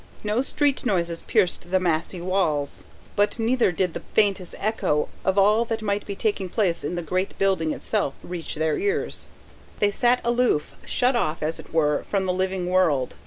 No street noises pierced the massy walls, but neither did the faintest echo of all that might be taking place in the great building itself reach their ears: they sat aloof, shut off, as it were, from the living world.